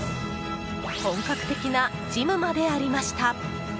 本格的なジムまでありました。